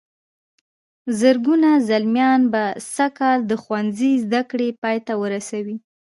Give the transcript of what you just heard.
زرګونه زلميان به سږ کال د ښوونځي زدهکړې پای ته ورسوي.